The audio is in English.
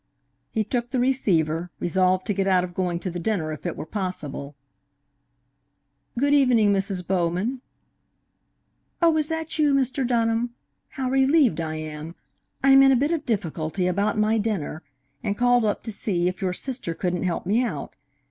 He took the receiver, resolved to get out of going to the dinner if it were possible. "Good evening, Mrs. Bowman." "Oh, is that you, Mr. Dunham? How relieved I am! I am in a bit of difficulty about my dinner, and called up to see if your sister couldn't help me out.